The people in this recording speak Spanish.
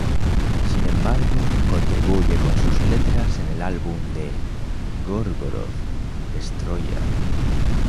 Sin embargo, contribuye con sus letras en el álbum de Gorgoroth, "Destroyer".